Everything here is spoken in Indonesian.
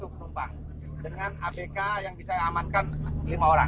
satu penumpang dengan abk yang bisa amankan lima orang